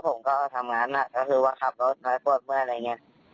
ผมก็ทำงานก็คือว่าขับรถน้อยปวดเมื่อยอะไรอย่างนี้